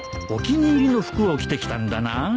お気に入りの服を着てきたんだな